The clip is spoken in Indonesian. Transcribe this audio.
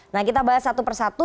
nah kita bahas satu persatu